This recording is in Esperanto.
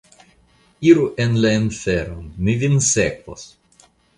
Iru en la inferon, mi vin sekvos!